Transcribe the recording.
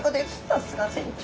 さすが船長。